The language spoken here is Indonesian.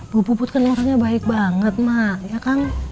bu puput kan orangnya baik banget mak